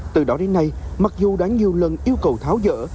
từ đó đến nay mặc dù đáng nhiều lần yêu cầu tháo rỡ